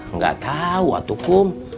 nggak tahu atukum